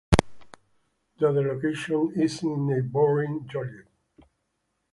The other location is in neighboring Joliet.